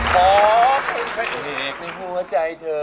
ขอเพลงพระเอกในหัวใจเธอ